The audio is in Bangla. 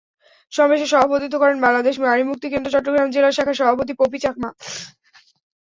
সমাবেশে সভাপতিত্ব করেন বাংলাদেশ নারীমুক্তি কেন্দ্র চট্টগ্রাম জেলা শাখার সভাপতি পপি চাকমা।